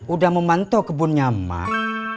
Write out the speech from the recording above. udah memantau kebunnya mak